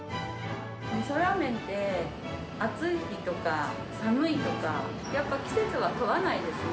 みそらーめんって、暑い日とか、寒いとか、やっぱ季節は問わないですね。